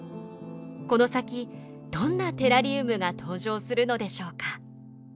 この先どんなテラリウムが登場するのでしょうか。